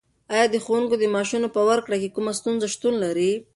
ایا د ښوونکو د معاشونو په ورکړه کې کومه ستونزه شتون لري؟